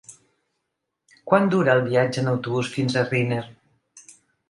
Quant dura el viatge en autobús fins a Riner?